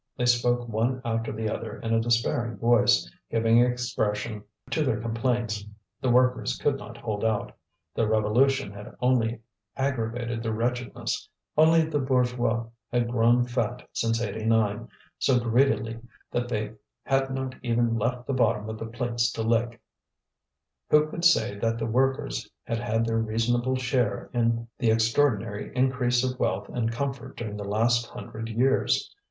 They spoke one after the other in a despairing voice, giving expression to their complaints. The workers could not hold out; the Revolution had only aggravated their wretchedness; only the bourgeois had grown fat since '89, so greedily that they had not even left the bottom of the plates to lick. Who could say that the workers had had their reasonable share in the extraordinary increase of wealth and comfort during the last hundred years?